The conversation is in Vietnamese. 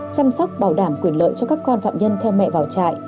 chăm sóc bảo đảm quyền lợi cho các con phạm nhân theo mẹ vào trại